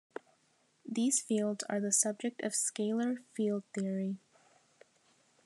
These fields are the subject of scalar field theory.